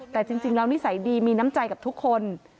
แต่จริงแล้วนิสัยดีมีน้ำใจกับทุกคน